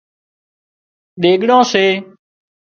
ۮِيڳڙان سي